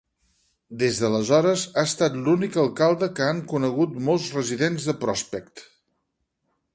Des d'aleshores, ha estat l'únic alcalde que han conegut molts residents de Prospect.